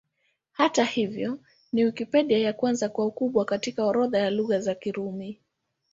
Hata hivyo, ni Wikipedia ya kwanza kwa ukubwa katika orodha ya Lugha za Kirumi.